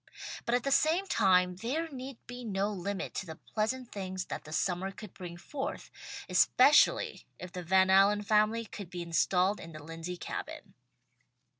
But at the same time there need be no limit to the pleasant things that the summer could bring forth, especially if the Van Allen family could be installed in the Lindsey Cabin.